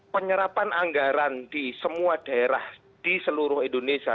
penyerapan anggaran di semua daerah di seluruh indonesia